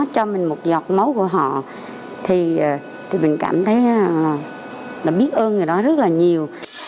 cho mình một giọt máu của họ thì mình cảm thấy là biết ơn người đó rất là nhiều